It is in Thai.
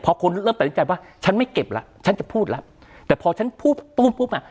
พอคนเริ่มแปลงใจว่าฉันไม่เก็บละฉันจะพูดละแต่พอฉันพูดปุ๊บปุ๊บอ่ะ